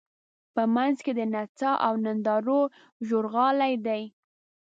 په منځ کې د نڅا او نندارو ژورغالی دی.